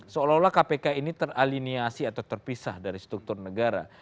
seolah olah kpk ini teraliniasi atau terpisah dari struktur negara